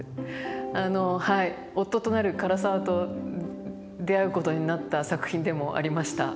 あのはい夫となる唐沢と出会うことになった作品でもありました。